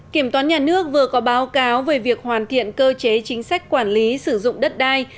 kiểm toán nhà nước vừa có báo cáo về việc hoàn thiện cơ chế chính sách quản lý sử dụng đất đai